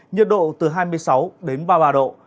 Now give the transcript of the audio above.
nhiệt độ từ hai mươi sáu đến ba mươi ba độ